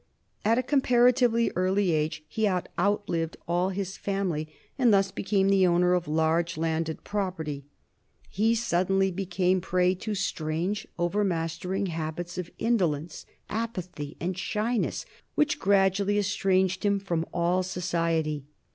At a comparatively early age he had outlived all his family, and thus became the owner of large landed property. He suddenly became a prey to strange, overmastering habits of indolence, apathy, and shyness, which gradually estranged him from all society.